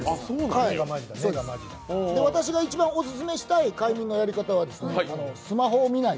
私が一番オススメしたい快眠のやり方はスマホを見ない。